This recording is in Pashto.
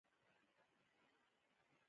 او یا داسې دي چې تاسې اوبه سمې نه خوټوئ.